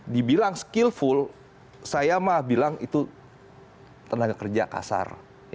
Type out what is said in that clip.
dibilang skillful saya mah bilang itu tenaga kerja kasar